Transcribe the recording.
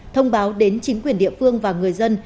thông báo đến chính quyền địa phương và người dân